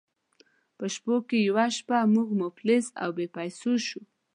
په شپو کې یوه شپه موږ مفلس او بې پیسو شوو.